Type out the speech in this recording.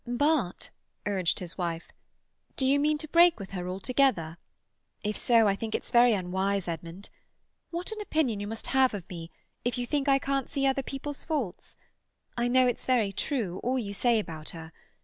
"But," urged his wife, "do you mean to break with her altogether? If so, I think it's very unwise, Edmund. What an opinion you must have of me, if you think I can't see people's faults! I know it's very true, all you say about her.